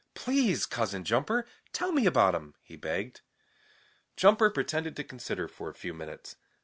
"Please, Cousin Jumper, tell me about him," he begged. Jumper pretended to consider for a few minutes.